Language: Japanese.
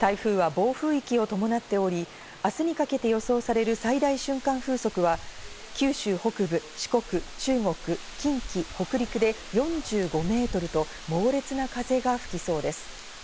台風は暴風域を伴っており、明日にかけて予想される最大瞬間風速は、九州北部、四国、中国、近畿、北陸で４５メートルと猛烈な風が吹きそうです。